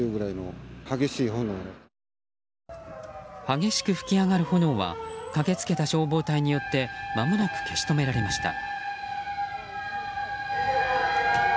激しく噴き上がる炎は駆けつけた消防隊によってまもなく消し止められました。